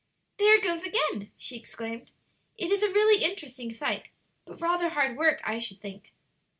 "There it goes again!" she exclaimed. "It is a really interesting sight, but rather hard work, I should think."